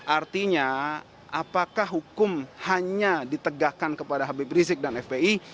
artinya apakah hukum hanya ditegakkan kepada habib rizik dan fpi